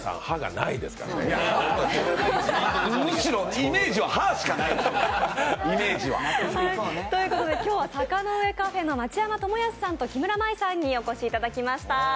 ありますよ、むしろイメージは歯しかない。ということで今日はサカノウエカフェさんの町山友康さんと木村舞さんにお越しいただきました。